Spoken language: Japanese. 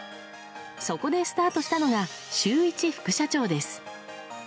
そこでスタートしたのが週１副社長です。